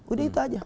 udah itu aja